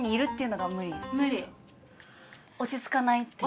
落ち着かないっていう？